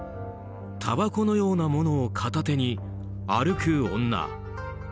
たばこのようなものを片手に歩く女。